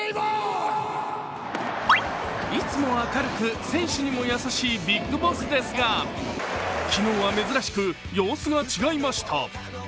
いつも明るく選手にも優しいＢＩＧＢＯＳＳですが昨日は珍しく、様子が違いました。